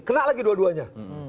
kena lagi dua duanya